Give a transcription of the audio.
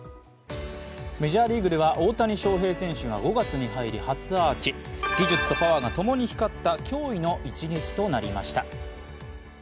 メジャーリーグでは大谷翔平選手が５月に入り初アーチ技術とパワーがともに光った驚異の一撃となりました。